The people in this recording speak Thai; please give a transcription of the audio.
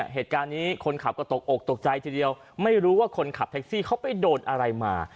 เหตุการณ์นี้คนขับก็ตกอกตกใจทีเดียวไม่รู้ว่าคนขับแท็กซี่เขาไปโดนอะไรมา